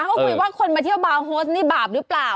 เขาคุยว่าคนมาเที่ยวบาร์โฮสนี่บาปหรือเปล่า